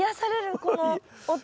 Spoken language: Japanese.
この音。